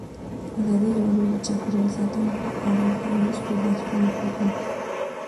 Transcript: ازادي راډیو د چاپیریال ساتنه په اړه د پرانیستو بحثونو کوربه وه.